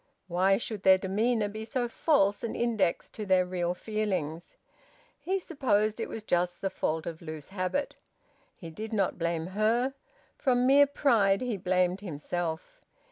Why should their demeanour be so false an index to their real feelings? He supposed it was just the fault of loose habit. He did not blame her. From mere pride he blamed himself.